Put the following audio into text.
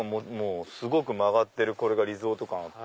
すごく曲がってるこれがリゾート感あって。